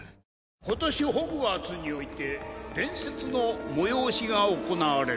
今年ホグワーツにおいて伝説の催しが行われる。